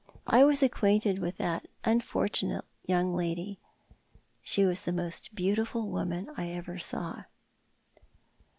" I was acquainted with that unfortunate young lady. She was tlie most beautiful woman I ever saw."